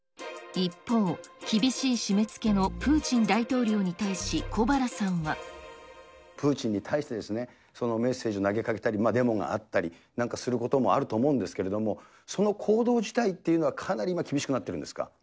一方、厳しい締めつけのプーチン大統領に対し、プーチンに対して、メッセージ投げかけたり、デモがあったり、なんかすることもあると思うんですけど、その行動自体というのは、かなり今厳しくなっているんですか？